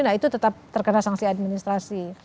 nah itu tetap terkena sanksi administrasi